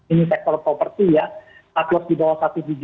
ini sektor property ya aklos di bawah